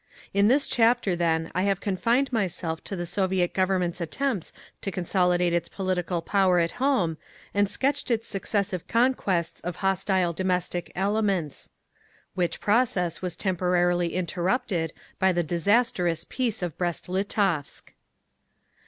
In this chapter, then, I have confined myself to the Soviet Government's attempts to consolidate its political power at home, and sketched its successive conquests of hostile domestic elements—which process was temporarily interrupted by the disastrous Peace of Brest Litovsk.